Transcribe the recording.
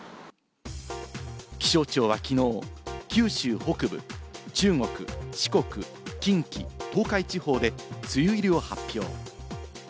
気象庁はきのう九州北部、中国、四国、近畿、東海地方で梅雨入りを発表。